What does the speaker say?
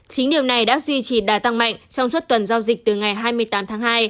chính điều này đã duy trì đà tăng mạnh trong suốt tuần giao dịch từ ngày hai mươi tám tháng hai